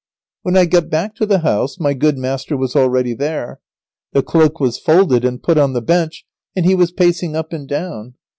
When I got back to the house my good master was already there. The cloak was folded and put on the bench, and he was pacing up and down.